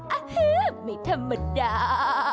ฮือไม่ธรรมดา